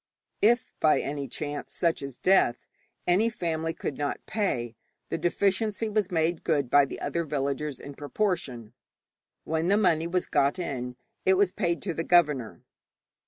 If by any chance, such as death, any family could not pay, the deficiency was made good by the other villagers in proportion. When the money was got in it was paid to the governor.